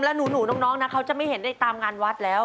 แล้วหนูน้องนะเขาจะไม่เห็นได้ตามงานวัดแล้ว